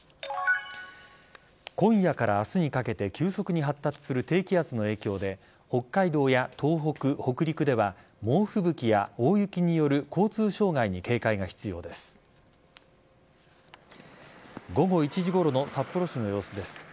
今夜から明日にかけて急速に発達する低気圧の影響で北海道や東北、北陸では猛吹雪や大雪による交通障害に警戒が必要です。